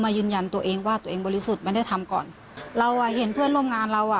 ยืนยันตัวเองว่าตัวเองบริสุทธิ์ไม่ได้ทำก่อนเราอ่ะเห็นเพื่อนร่วมงานเราอ่ะ